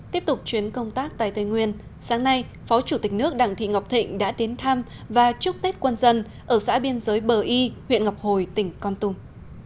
tiếp tục chuyến công tác tại tây nguyên sáng nay phó chủ tịch nước đặng thị ngọc thịnh đã đến thăm và chúc tết quân dân ở xã biên giới bờ y huyện ngọc hồi tỉnh con tum